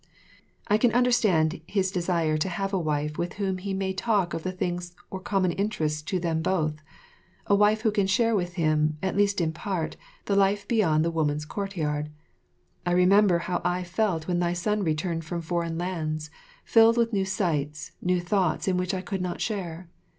I can understand his desire to have a wife with whom he may talk of the things or common interest to them both, a wife who can share with him, at least in part, the life beyond the woman's courtyard. I remember how I felt when thy son returned from foreign lands, filled with new sights, new thoughts in which I could not share.